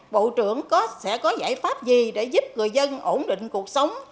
bộ trưởng sẽ có giải pháp gì để giúp người dân ổn định cuộc sống